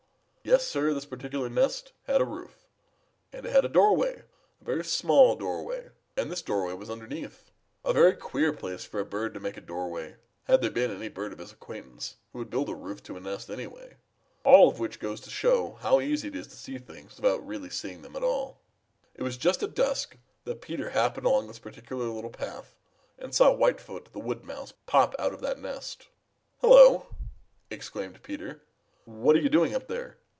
Yes, Sir, this particular nest had a roof. And it had a doorway, a very small doorway, and this doorway was underneath, a very queer place for a bird to make a doorway had there been any bird of his acquaintance who would build a roof to a nest, anyway. All of which goes to show how easy it is to see things without really seeing them at all. It was just at dusk that Peter happened along this particular little path and saw Whitefoot the Wood Mouse pop out of that nest. "Hello!" exclaimed Peter. "What are you doing up there?